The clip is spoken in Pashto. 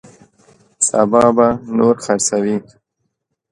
سبا به نور خرڅوي.